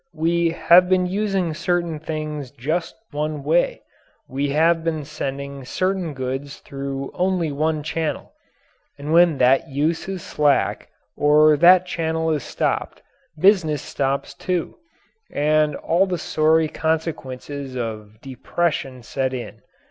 We have been using certain things just one way, we have been sending certain goods through only one channel and when that use is slack, or that channel is stopped, business stops, too, and all the sorry consequences of "depression" set in.